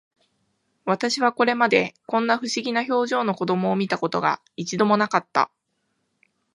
私はこれまで、こんな不思議な表情の子供を見た事が、一度も無かった